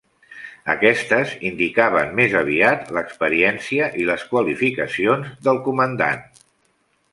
Aquestes indicaven més aviat l'experiència i les qualificacions del comandant.